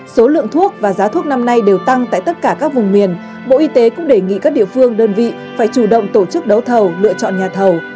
số lượng thuốc và giá thuốc năm nay đều tăng tại tất cả các vùng miền bộ y tế cũng đề nghị các địa phương đơn vị phải chủ động tổ chức đấu thầu lựa chọn nhà thầu